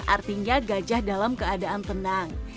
artinya gajah dalam keadaan tenang